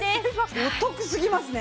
お得すぎますね。